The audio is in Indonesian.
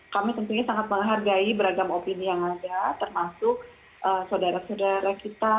kami tentunya sangat menghargai beragam opini yang ada termasuk saudara saudara kita